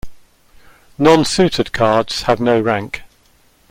Non-suited cards have no rank.